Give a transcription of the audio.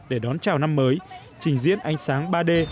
để đón chào năm mới trình diễn ánh sáng ba d